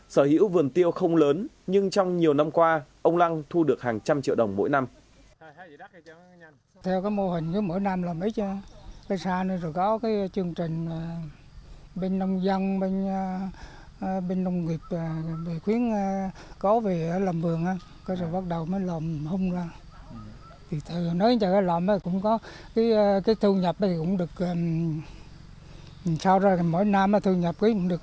sở hữu vườn tiêu không lớn nhưng trong nhiều năm qua ông năng thu được hàng trăm triệu đồng mỗi năm